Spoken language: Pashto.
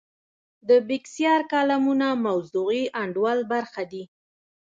د بېکسیار کالمونه موضوعي انډول برخه دي.